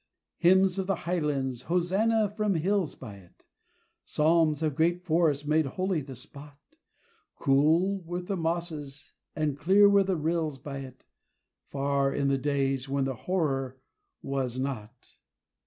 Hymns of the highlands hosannas from hills by it, Psalms of great forests made holy the spot: Cool were the mosses and clear were the rills by it Far in the days when the Horror was not.